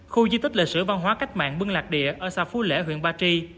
khu di tích lịch sử văn hóa cách mạng bưng lạc địa ở xa phú lễ huyện ba tri